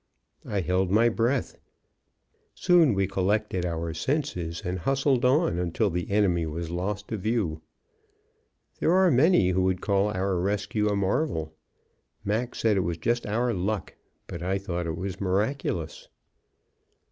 I held my breath. Soon we collected our senses and hustled on until the enemy was lost to view. There are many who would call our rescue a marvel; Mac said it was just our "luck;" but I thought it miraculous.